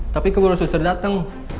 tapi keburu susir dateng